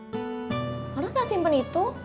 orang gak simpen itu